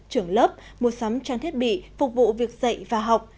trưởng lớp mua sắm trang thiết bị phục vụ việc dạy và học